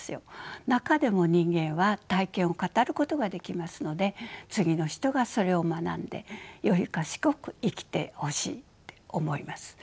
中でも人間は体験を語ることができますので次の人がそれを学んでより賢く生きてほしいって思います。